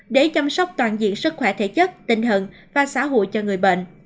để chăm sóc toàn diện sức khỏe thể chất tinh thần và xã hội cho người bệnh